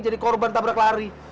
jadi korban tabrak lari